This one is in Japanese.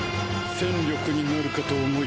戦力になるかと思い